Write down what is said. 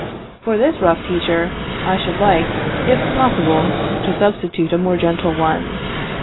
For this rough teacher, I should like, if possible, to substitute a more gentle one.